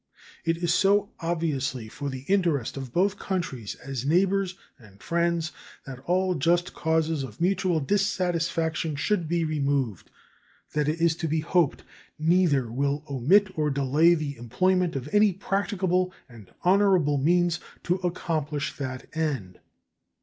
It is so obviously for the interest of both countries as neighbors and friends that all just causes of mutual dissatisfaction should be removed that it is to be hoped neither will omit or delay the employment of any practicable and honorable means to accomplish that end.